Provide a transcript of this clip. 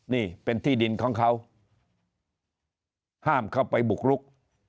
นี่เป็นที่ดินของเขาห้ามเข้าไปบุกรุก